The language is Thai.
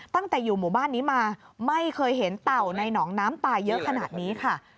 ตั้งแต่อยู่หมู่บ้านนี้มาไม่เคยเห็นเต่าในหนองน้ำตายเยอะขนาดนี้ค่ะ